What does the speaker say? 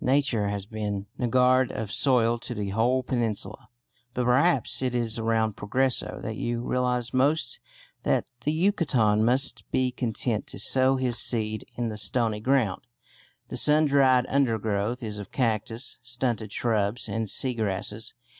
Nature has been niggard of soil to the whole peninsula, but perhaps it is around Progreso that you realise most that the Yucatecan must be content to sow his seed in the "stony ground." The sundried undergrowth is of cactus, stunted shrubs, and sea grasses.